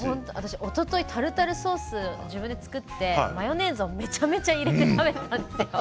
おとといタルタルソースを自分で作ってマヨネーズをめちゃくちゃ入れて食べたんですよ。